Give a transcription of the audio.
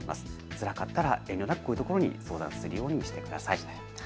つらかったら遠慮なくこういうところに相談するようにしてください。